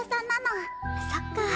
そっか。